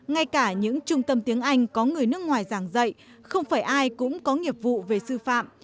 ngay cả những trung tâm tiếng anh có người nước ngoài giảng dạy không phải ai cũng có nghiệp vụ về sư phạm